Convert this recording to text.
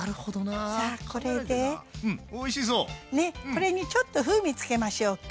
これにちょっと風味付けましょうか。